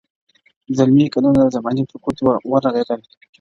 زلمي کلونه د زمان پر ګوتو ورغړېدل -